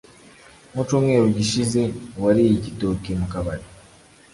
mu cumweru gishize wariye igitoke mu kabari.